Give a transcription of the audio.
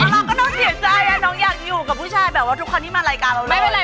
เราก็ต้องเสียใจน้องอยากอยู่กับผู้ชายแบบว่าทุกคนที่มารายการเราเลยไม่เป็นไร